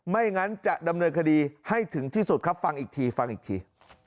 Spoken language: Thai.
ไม่งั้นจะดำเนินคดีให้ถึงที่สุดครับฟังอีกทีฟังอีกที